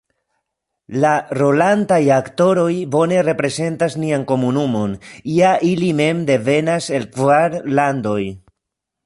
La rolantaj aktoroj bone reprezentas nian komunumon, ja ili mem devenas el kvar landoj.